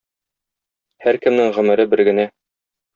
Һәркемнең гомере бер генә.